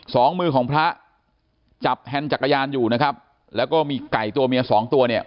สองมือของพระจับแฮนด์จักรยานอยู่นะครับแล้วก็มีไก่ตัวเมียสองตัวเนี่ย